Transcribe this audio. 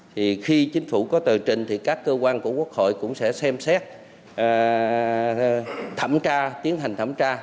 thì khi chính phủ có tờ trình thì các cơ quan của quốc hội cũng sẽ xem xét thẩm tra tiến hành thẩm tra